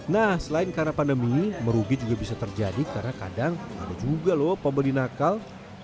nah selain karena pandemi merugi juga bisa terjadi karena kadang ada juga loh pembeli nakal